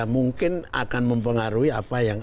mungkin akan mempengaruhi apa yang